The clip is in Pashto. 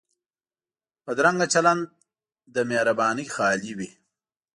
بدرنګه چلند له مهربانۍ خالي وي